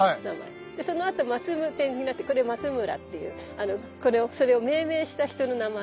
でそのあと「Ｍａｔｓｕｍ．」になってこれ松村っていうこれを命名した人の名前。